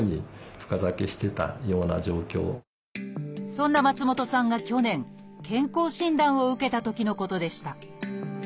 そんな松本さんが去年健康診断を受けたときのことでした。